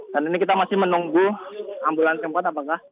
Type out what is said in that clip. dan ini kita masih menunggu ambulan keempat apakah